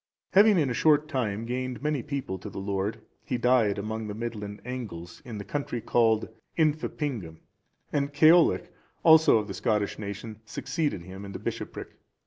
Having in a short time gained many people to the Lord, he died among the Midland Angles, in the country called Infeppingum;(410) and Ceollach, also of the Scottish nation, succeeded him in the bishopric.